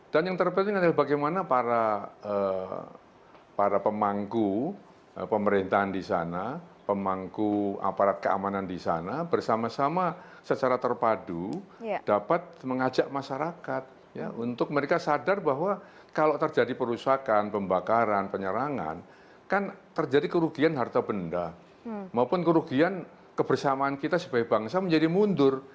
dan yang terpenting adalah bagaimana para pemangku pemerintahan di sana pemangku aparat keamanan di sana bersama sama secara terpadu dapat mengajak masyarakat untuk mereka sadar bahwa kalau terjadi perusahaan pembakaran penyerangan kan terjadi kerugian harta benda maupun kerugian kebersamaan kita sebagai bangsa menjadi mundur